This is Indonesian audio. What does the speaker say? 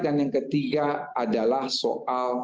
dan yang ketiga adalah soal tindak pidana